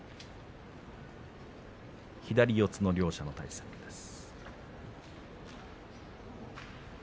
左四つの両者の対戦です。